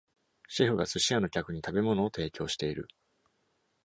シェフが寿司屋の客に食べ物を提供している